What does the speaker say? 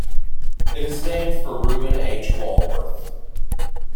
It is named for Reuben H. Walworth.